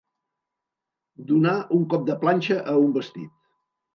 Donar un cop de planxa a un vestit.